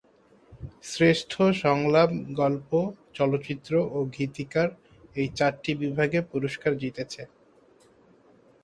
শ্রেষ্ঠ সংলাপ, গল্প, চলচ্চিত্র ও গীতিকার এই চারটি বিভাগে পুরস্কার জিতেছে।